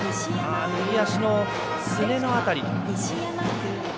右足のすねの辺り。